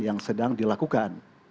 yang sedang dilakukan